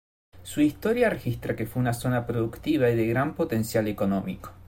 Su historia registra que fue una zona productiva y de gran potencial económico.